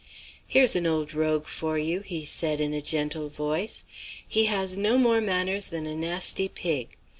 "'Here's an old rogue for you,' he said in a gentle voice. 'He has no more manners than a nasty pig.